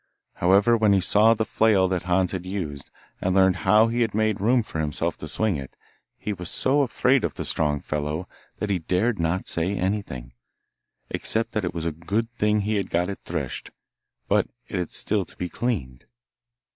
However, when he saw the flail that Hans had used, and learned how he had made room for himself to swing it, he was so afraid of the strong fellow, that he dared not say anything, except that it was a good thing he had got it threshed; but it had still to be cleaned.